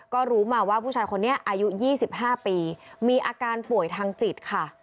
ก็รู้มาว่าผู้ชายคนนี้อายุ๒๕ปีมีอาการป่วยทางจิตค่ะ